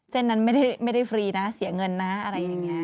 เส้นนั้นไม่ได้ฟรีนะเสียเงินนะอะไรอย่างนี้